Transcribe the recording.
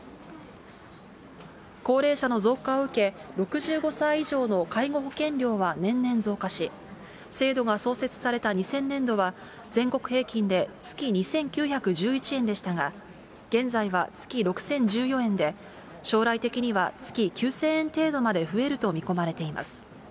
高齢者の増加を受け、６５歳以上の介護保険料は年々増加し、制度が創設された２０００年度は、全国平均で月２９１１円でしたが、現在は月６０１４円で、将来的には月９０００円程度まで増えると見込まれています。